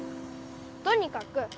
とにかく！